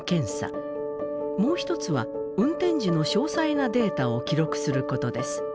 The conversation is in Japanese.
もう一つは運転時の詳細なデータを記録することです。